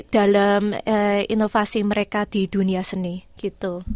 dalam inovasi mereka di dunia seni